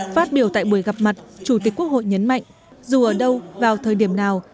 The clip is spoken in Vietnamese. phát biểu tại buổi gặp mặt chủ tịch quốc hội nhấn mạnh dù ở đâu vào thời điểm nào